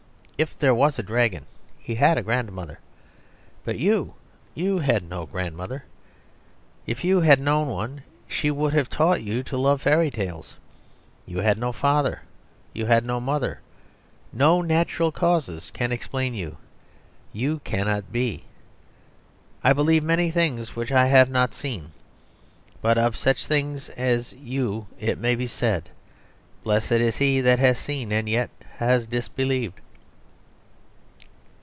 If there was a dragon, he had a grandmother. But you you had no grandmother! If you had known one, she would have taught you to love fairy tales. You had no father, you had no mother; no natural causes can explain you. You cannot be. I believe many things which I have not seen; but of such things as you it may be said, 'Blessed is he that has seen and yet has disbelieved.